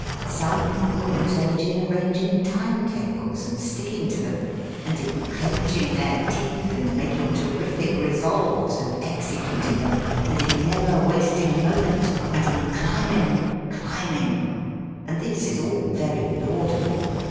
Some people use energy in arranging time tables and sticking to them, and in clenching their teeth and making terrific resolves and executing them, and in never wasting a moment, and in climbing — climbing. And this is all very laudable.